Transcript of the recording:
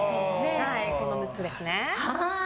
この６つですね。